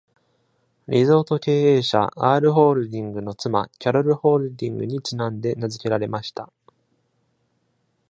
リゾート経営者アール・ホールディングの妻キャロル・ホールディングにちなんで名付けられました。